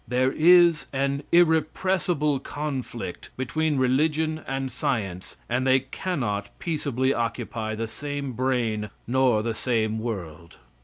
There is an "irrepressible conflict" between religion and science, and they cannot peaceably occupy the same brain nor the same world.